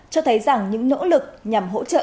cho thấy rằng những nỗ lực nhằm hỗ trợ